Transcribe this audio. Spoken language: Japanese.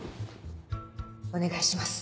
お願いします